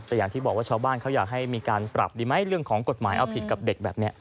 แต่อย่างที่บอกว่าชาวบ้านเขาอยากให้มีการปรับดีไหมเรื่องของกฎหมายเอาผิดกับเด็กแบบนี้